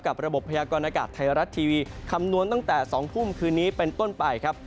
ระบบพยากรณากาศไทยรัฐทีวีคำนวณตั้งแต่๒ทุ่มคืนนี้เป็นต้นไปครับ